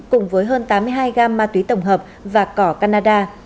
cùng với hơn tám mươi hai gam ma túy tổng hợp và cỏ canada